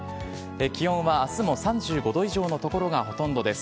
気温はあすも３５度以上の所がほとんどです。